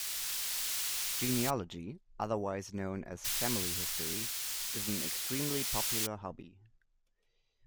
Genealogy, otherwise known as family history, is an extremely popular hobby